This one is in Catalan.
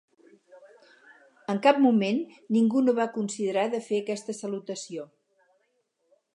En cap moment ningú no va considerar de fer aquesta salutació.